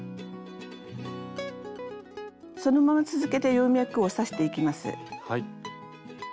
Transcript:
そのまま続けて葉脈を刺していきます。